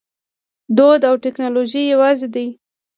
دود او ټیکنالوژي یوځای دي.